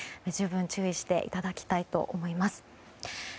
十分注意していただきたいと思います。